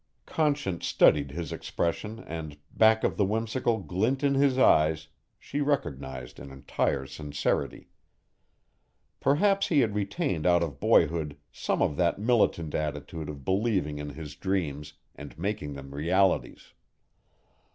Conscience studied his expression and back of the whimsical glint in his eyes she recognized an entire sincerity. Perhaps he had retained out of boyhood some of that militant attitude of believing in his dreams and making them realities.